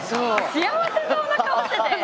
幸せそうな顔してて。